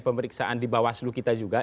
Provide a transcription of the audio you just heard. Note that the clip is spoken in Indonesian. pemeriksaan di bawaslu kita juga